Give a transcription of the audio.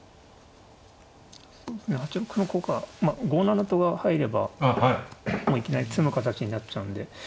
８六歩の効果まあ５七とが入ればもういきなり詰む形になっちゃうんで。